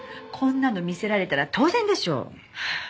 こんなの見せられたら当然でしょ。